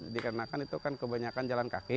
dikarenakan itu kan kebanyakan jalan kaki